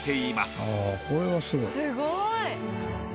すごい。